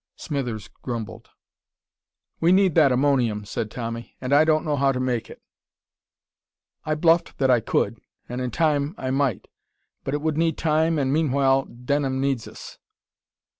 Smithers grumbled. "We need that ammonium," said Tommy, "and I don't know how to make it. I bluffed that I could, and in time I might, but it would need time and meanwhile Denham needs us.